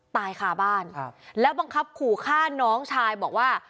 ตายคาบ้านครับแล้วบังคับขู่ฆ่าน้องชายบอกว่า